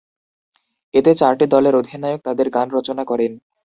এতে চারটি দলের অধিনায়ক তাদের গান রচনা করেন।